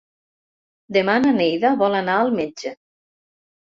Demà na Neida vol anar al metge.